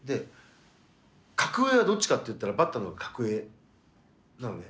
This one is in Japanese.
格上はどっちかっていったらバッターのほうが格上なのね。